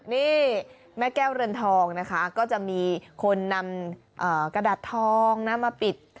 นี่แม่แก้วเรือนทองนะคะก็จะมีคนนำกระดาษทองนะมาปิด